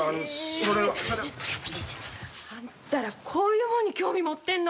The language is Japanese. それは。あんたらこういうもんに興味持ってんの？